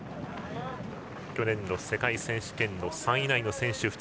去年の世界選手権の３位以内の選手